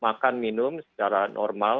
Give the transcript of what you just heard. makan minum secara normal